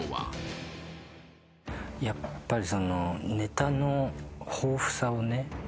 やっぱり。